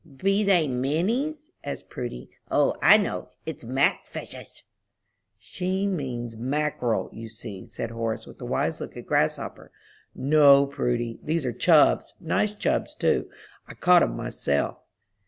"Be they minnies?" asked Prudy. "O, I know; it's mack fishes!" "She means mackerel, you see," said Horace, with a wise look at Grasshopper. "No, Prudy, these are chubbs, nice chubbs, too; I caught 'em myself."